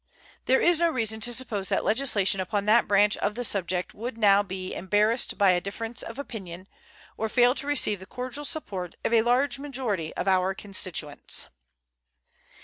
There is no reason to suppose that legislation upon that branch of the subject would now be embarrassed by a difference of opinion, or fail to receive the cordial support of a large majority of our constituents.